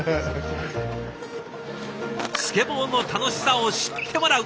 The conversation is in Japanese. スケボーの楽しさを知ってもらう。